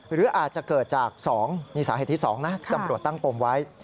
หรืออาจจะเกิดจาก๒นี่สาเหตุที่๒นะตำรวจตั้งปมไว้